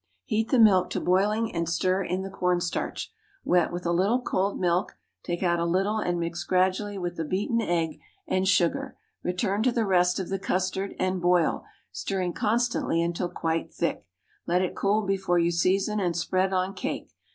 Heat the milk to boiling, and stir in the corn starch, wet with a little cold milk; take out a little and mix gradually with the beaten egg and sugar; return to the rest of the custard, and boil, stirring constantly until quite thick. Let it cool before you season, and spread on cake.